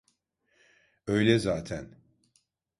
Öyle zaten.